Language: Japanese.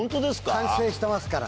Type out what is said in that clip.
反省してますから。